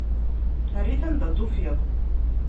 Err-it anda i t-tufiḍ.